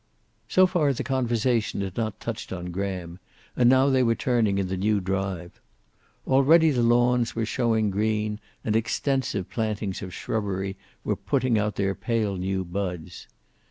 So far the conversation had not touched on Graham, and now they were turning in the new drive. Already the lawns Were showing green, and extensive plantings of shrubbery were putting out their pale new buds.